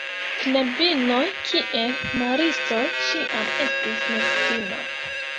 Knabinoj kiel maristoj ĉiam estis nekutima.